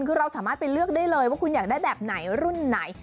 คือเราสามารถไปเลือกได้เลยว่าคุณอยากได้แบบไหนรุ่นไหน